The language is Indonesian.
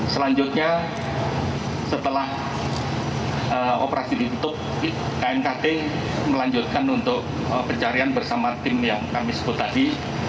selanjutnya setelah operasi ditutup knkt melanjutkan untuk pencarian bersama tim yang kami sebut tadi